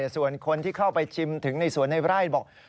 ส่วนคนที่เข้าไปชิมถึงในสวนในไร่บอก